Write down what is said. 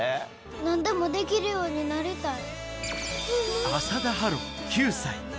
何でもできるようになりたい。